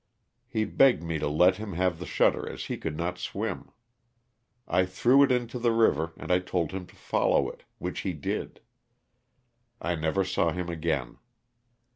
He begged me to let him have the shutter as he could not swim. I threw it into the river and told him to follow it, which he did; I never saw him again.